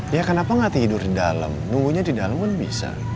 ya kenapa nggak tidur di dalam nunggunya di dalam pun bisa